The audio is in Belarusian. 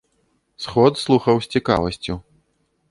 Сход слухаў з цікавасцю.